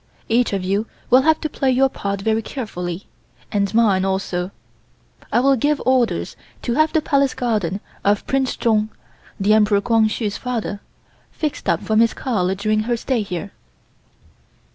Each of you will have to play your part very carefully, and I mine also. I will give orders to have the Palace Garden of Prince Chung (the Emperor Kwang Hsu's father) fixed up for Miss Carl during her stay here."